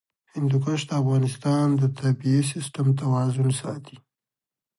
هندوکش د افغانستان د طبعي سیسټم توازن ساتي.